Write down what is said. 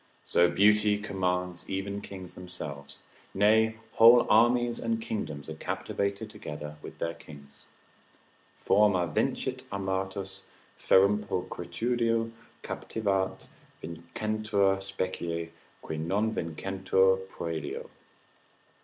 So beauty commands even kings themselves; nay whole armies and kingdoms are captivated together with their kings: Forma vincit armatos, ferrum pulchritudo captivat; vincentur specie, qui non vincentur proelio.